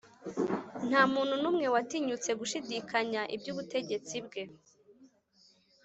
nta muntu n’umwe watinyutse gushidikanya iby’ubutegetsi bwe